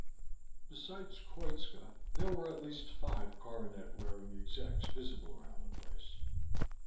Besides Koitska, there were at least five coronet wearing execs visible around the place.